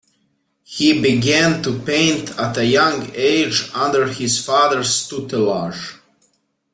He began to paint at a young age under his father's tutelage.